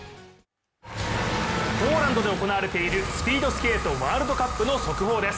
ポーランドで行われているスピードスケートワールドカップの速報です。